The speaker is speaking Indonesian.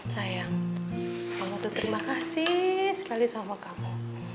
sayang kamu tuh terima kasih sekali sama kamu